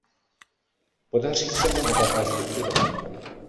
Podaří se mu oba dva zlikvidovat.